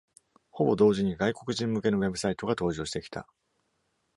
ほぼ同時に外国人向けのウェブサイトが登場してきた。